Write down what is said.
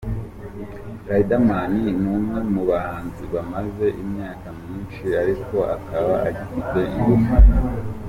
Riderman ni umwe mu bahanzi bamaze imyaka myinshi ariko akaba agifite ingufu.